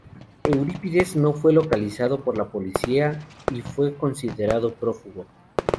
Eurípides no fue localizado por la policía y fue considerado prófugo.